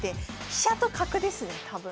飛車と角ですね多分。